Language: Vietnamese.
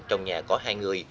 trong nhà có hai người